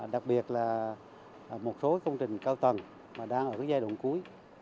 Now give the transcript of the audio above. đặc biệt là một số công trình cao tầng mà đang ở giai đoạn cuối